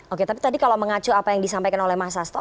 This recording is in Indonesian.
oke tapi tadi kalau mengacu apa yang disampaikan oleh mas sasto